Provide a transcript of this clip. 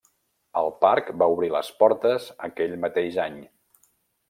El parc va obrir les portes aquell mateix any.